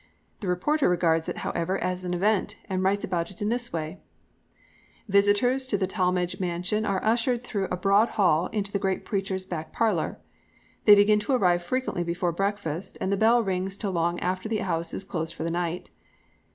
The reporter regards it, however, as an event, and writes about it in this way: "Visitors to the Talmage mansion are ushered through a broad hall into the great preacher's back parlour. They begin to arrive frequently before breakfast, and the bell rings till long after the house is closed for the night.